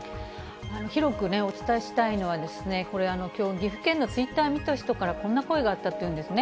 広くお伝えしたいのは、これ、きょう、岐阜県のツイッターを見た人からこんな声があったというんですね。